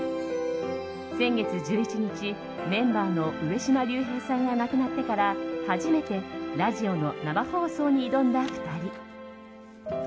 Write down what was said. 先月１１日メンバーの上島竜兵さんが亡くなってから初めてラジオの生放送に挑んだ２人。